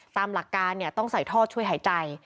ตามหลักการต้องใส่ท่อช่วยหายใจ